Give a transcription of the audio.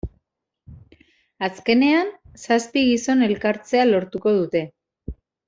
Azkenean zazpi gizon elkartzea lortuko dute.